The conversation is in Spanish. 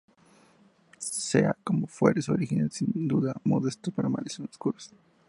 Sea como fuere, sus orígenes, sin duda modestos, permanecen oscuros.